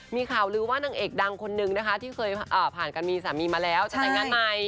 มีข่าวลือว่านางเอกดังคนนึงนะคะที่เคยผ่านกันมีสามีมาแล้วจะแต่งงานใหม่